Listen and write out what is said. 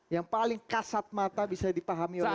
yang paling kasat mata bisa dipahami oleh